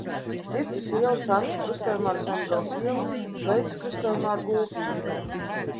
Mirdzas iela sākas krustojumā ar Zemgales ielu un beidzas krustojumā ar Gulbju ielu.